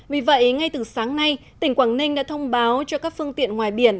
vì vậy ngay từ sáng nay tỉnh quảng ninh đã thông báo cho các phương tiện ngoài biển